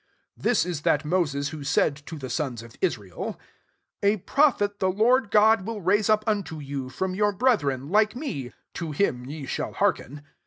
37 " This is that Moses who said to the sons of Israel, ' A prophet the [Lord"] God will raise up unto you, from your brethren, li|te me : [to him ye shall hearken]."